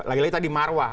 lagi lagi tadi marwah